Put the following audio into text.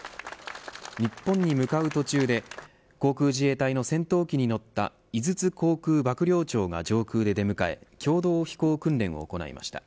日本に向かう途中で航空自衛隊の戦闘機に乗った井筒航空幕僚長が上空で出迎え共同飛行訓練を行いました。